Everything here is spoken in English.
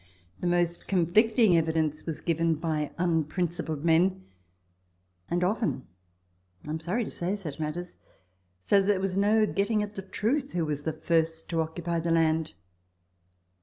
The most conflicting evidence was given by unprincipled men, and often, I am sorry to say such matters, so that there was no getting at the truth who was the first to occupy the land.